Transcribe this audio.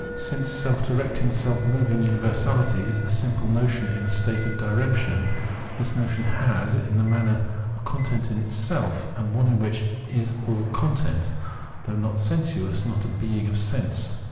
Since self directing, self moving universahty is the simple notion in a state of diremption, this notion has in this manner a content in itself, and one which is all content, though not sensuous, not a being of sense.